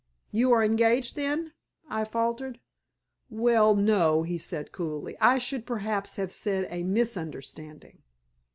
"You are engaged, then?" I faltered. "Well, no," he said, coolly, "I should perhaps have said a misunderstanding."